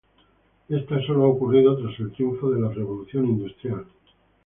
Esto sólo ha ocurrido tras el triunfo de la revolución industrial.